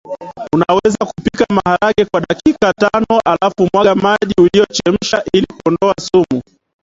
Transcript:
Unaweza kupika maharage kwa dakika tanohalafu mwaga maji uliyochemshia ili kuondoa sumu